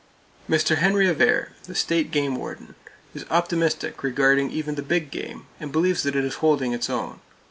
Mr. Henry Avare, the State Game Warden, is optimistic regarding even the big game, and believes that it is holding its own.